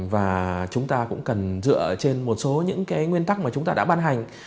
và chúng ta cũng cần dựa trên một số những cái nguyên tắc mà chúng ta đã ban hành